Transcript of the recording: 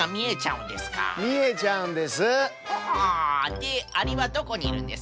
でアリはどこにいるんですか？